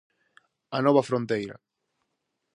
A nova fronteira.